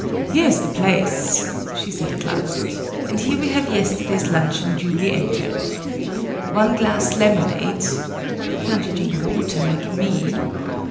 "Here's the place," she said at last, "and here we have yesterday's luncheon duly entered. One glass lemonade (Why can't you drink water, like me?)